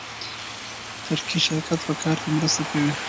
ترکي شرکت په کار کې مرسته کوي.